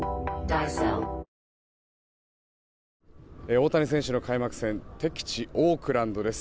大谷選手の開幕戦敵地オークランドです。